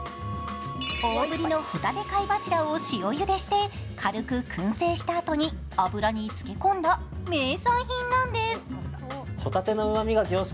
大ぶりのほたて貝柱を塩ゆでして軽くくん製したあとに油に漬け込んだ名産品なんです。